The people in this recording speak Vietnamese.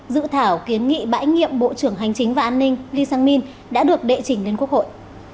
dự thảo kiến nghị bãi nhiệm bộ trưởng hành chính và an ninh lee sang min đã được đệ trình lên quốc hội